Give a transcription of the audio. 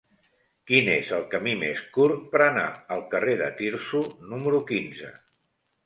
Quin és el camí més curt per anar al carrer de Tirso número quinze?